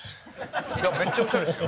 「いやめっちゃオシャレっすよ」。